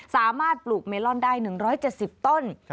ปลูกเมลอนได้๑๗๐ต้น